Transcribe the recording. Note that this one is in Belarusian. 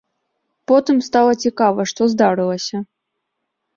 Потым стала цікава, што здарылася.